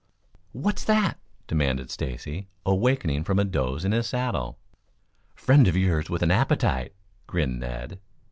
"What's that?" demanded Stacy, awakening from a doze in his saddle. "Friend of yours with an appetite," grinned Ned.